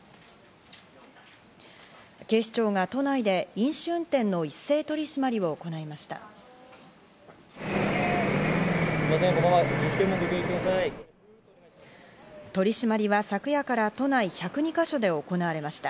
警視庁が都内で飲酒運転の一斉取り締まりを行いました。